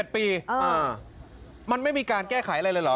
๗ปีมันไม่มีการแก้ไขอะไรเลยเหรอ